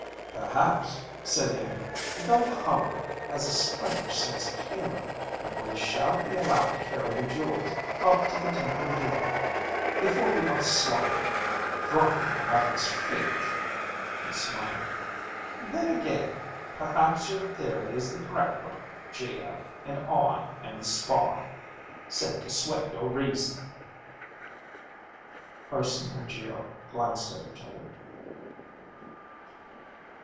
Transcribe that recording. "Perhaps," said Iimmi, "the god Hama has a strange sense of humor and we shall be allowed to carry the jewels up to the temple door before we are slaughtered, dropping them at his feet." He smiled. "Then again, perhaps your theory is the correct one, Geo, and I am the spy, sent to sway your reason." Urson and Geo glanced at each other.